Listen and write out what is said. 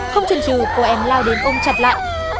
không chừng chừ cô em lao đến ông chặt lạ